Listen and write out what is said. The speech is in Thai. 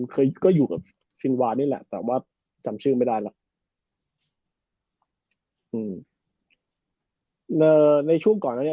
เคยก็อยู่กับซิลวานนี่แหละแต่ว่าจำชื่อไม่ได้แล้วอืมในช่วงก่อนนี้